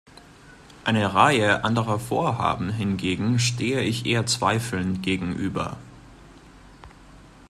Einer Reihe anderer Vorhaben hingegen stehe ich eher zweifelnd gegenüber.